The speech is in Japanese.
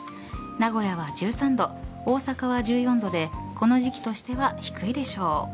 名古屋は１３度大阪は１４度でこの時期としては低いでしょう。